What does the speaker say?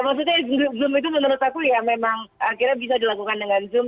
maksudnya zoom itu menurut aku ya memang akhirnya bisa dilakukan dengan zoom